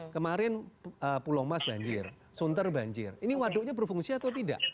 kemarin pulau mas banjir sunter banjir ini waduknya berfungsi atau tidak